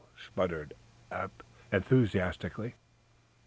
sputtered Eph, enthusiastically.